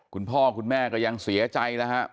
คุณพ่อคุณแม่ก็ยังเสียใจนะฮะ